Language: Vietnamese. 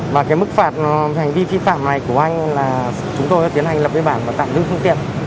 và cái mức phạt hành vi vi phạm này của anh là chúng tôi tiến hành lập biên bản và tạm dứt phương tiện